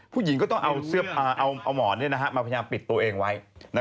ผู้หญิงก็ต้องเอาหมอนมาพยายามปิดตัวเองไว้